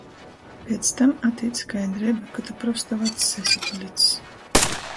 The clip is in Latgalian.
Piec tam atīt skaidreiba, ka tu prosta vacs esi palics